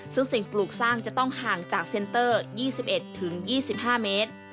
ซึ่งสิ่งปลูกสร้างจะต้องห่างจากเซ็นเตอร์๒๑๒๕เมตร